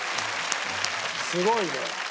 すごいね。